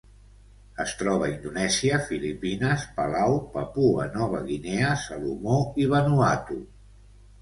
Es troba a Indonèsia, Filipines, Palau, Papua Nova Guinea, Salomó i Vanuatu.